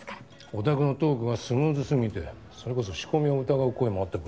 おたくのトークがスムーズすぎてそれこそ仕込みを疑う声もあったくらいだしな。